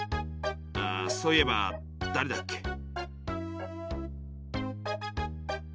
あそういえばだれだっけ？